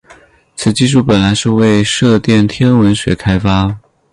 此技术本来是为射电天文学开发。